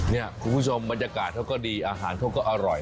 นี่คุณผู้ชมบรรยากาศเขาก็ดีอาหารเขาก็อร่อย